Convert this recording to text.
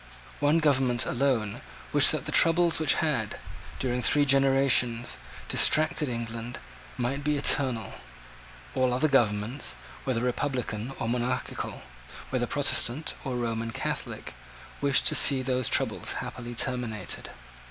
One government alone wished that the troubles which had, during three generations, distracted England, might be eternal. All other governments, whether republican or monarchical, whether Protestant or Roman Catholic, wished to see those troubles happily terminated.